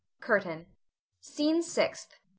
CURTAIN. SCENE SIXTH.